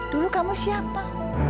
dulu kamu siapa